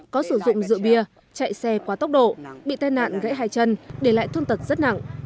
có sử dụng rượu bia chạy xe quá tốc độ bị tai nạn gãy hai chân để lại thương tật rất nặng